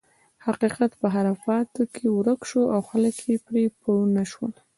حقیقت په خرافاتو کې ورک شو او خلک یې پرې پوه نه شول.